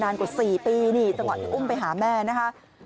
นั่งเฉยนั่งเฉยนั่งเฉย